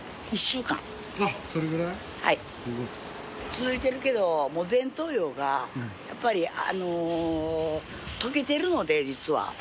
続いてるけどもう前頭葉がやっぱり溶けてるので実は。